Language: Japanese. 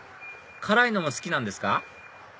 辛いのも好きなんですか？